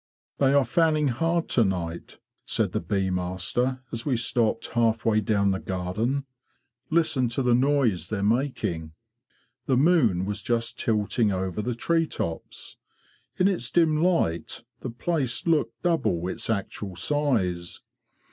'""They are fanning hard to night,'' said the bee master, as we stopped halfway down the garden. "' Listen to the noise they're making !"' The moon was just tilting over the tree tops. In its dim light the place looked double its actual size.